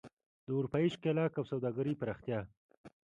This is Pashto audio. د اروپايي ښکېلاک او سوداګرۍ پراختیا.